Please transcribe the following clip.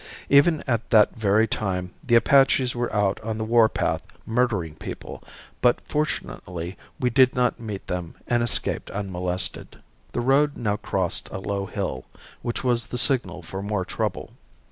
Even at that very time the Apaches were out on the warpath murdering people, but fortunately we did not meet them and escaped unmolested. The road now crossed a low hill, which was the signal for more trouble.